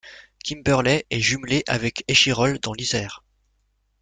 Kimberley est jumelée avec Échirolles, dans l'Isère.